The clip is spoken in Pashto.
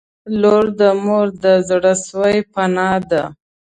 • لور د مور د زړسوي پناه ده.